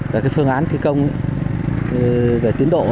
về phương án thi công về tiến độ